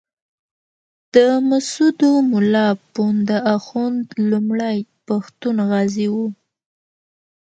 د مسودو ملا پوونده اخُند لومړی پښتون غازي وو.